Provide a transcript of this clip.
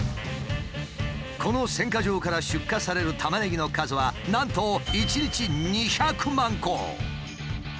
この選果場から出荷されるタマネギの数はなんと１日２００万個！